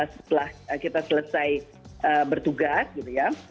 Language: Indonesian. setelah kita selesai bertugas gitu ya